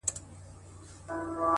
هره تجربه د ژوند ښوونځی دی’